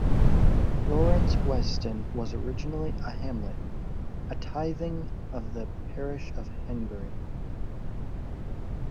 Lawrence Weston was originally a hamlet, a tything of the parish of Henbury.